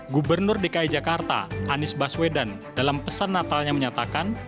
gubernur dki jakarta anies baswedan dalam pesan natalnya menyatakan